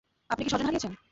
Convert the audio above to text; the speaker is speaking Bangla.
আপনি কি স্বজন হারিয়েছেন?